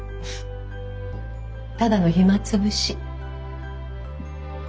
ただの暇つぶし。